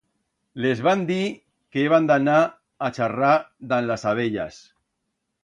Les van dir que heban d'anar a charrar dan las abellas.